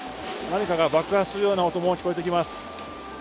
何かが爆発するような音も聞こえてきます。